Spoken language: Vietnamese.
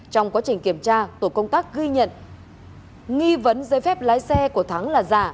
trong quá trình kiểm tra tổ công tác ghi nhận nghi vấn giấy phép lái xe của thắng là giả